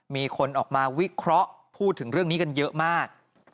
มีคนออกมาวิเคราะห์พูดถึงเรื่องนี้กันเยอะมาก